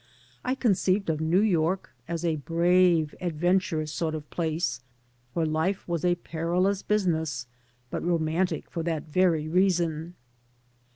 I conceived of New York as a brave, adventurous sort of place where life was a pmldUs business, but rpmantic for that very reason.